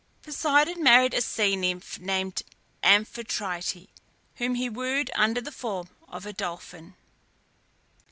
Poseidon married a sea nymph named Amphitrite, whom he wooed under the form of a dolphin.